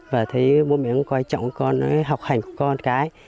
và thấy bố mẹ cũng coi trọng con học hành con cái